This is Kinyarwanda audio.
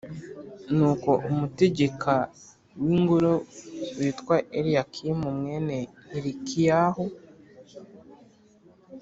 Nuko umutegeka w’ingoro witwa Eliyakimu mwene Hilikiyahu,